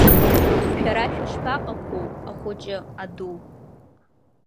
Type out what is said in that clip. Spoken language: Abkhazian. Шәара шәышԥаҟақәоу ахәыҷы, аду?